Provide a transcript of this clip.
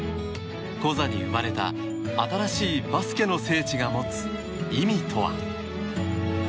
コザに生まれた新しいバスケの聖地が持つ意味とは。